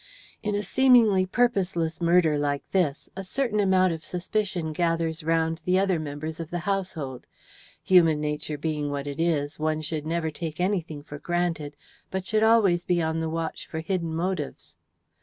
"In a seemingly purposeless murder like this, a certain amount of suspicion gathers round the other members of the household. Human nature being what it is, one should never take anything for granted, but should always be on the watch for hidden motives.